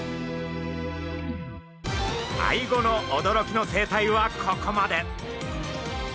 アイゴの驚きの生態はここまで。